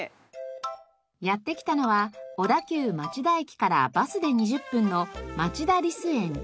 やって来たのは小田急町田駅からバスで２０分の町田リス園。